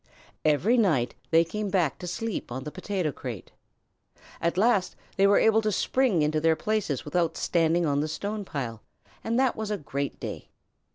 Every night they came back to sleep on the potato crate. At last they were able to spring up into their places without standing on the stone pile, and that was a great day.